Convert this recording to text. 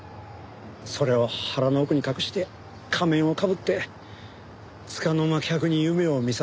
それを腹の奥に隠して仮面をかぶって束の間客に夢を見させてやる。